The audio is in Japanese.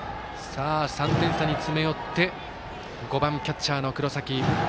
３点差に詰め寄って５番、キャッチャーの黒崎。